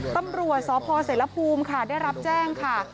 ตำรวจสพเสรภูมิค่ะได้รับแจ้งค่ะ